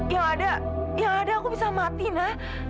yang ada yang ada aku bisa mati na